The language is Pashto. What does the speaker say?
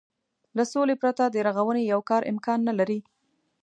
له سولې پرته د رغونې يو کار امکان نه لري.